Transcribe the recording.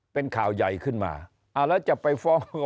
เป็นข่าวใหญ่ขึ้นมาแล้วจะไปฟ้อง